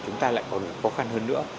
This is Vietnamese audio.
chúng ta lại còn khó khăn hơn nữa